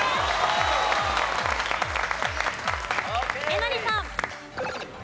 えなりさん。